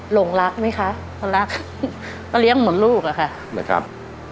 หลงรักไหมคะเขารักก็เลี้ยงเหมือนลูกอะค่ะนะครับ